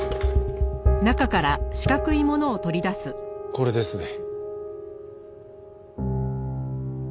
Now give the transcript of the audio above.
これですね。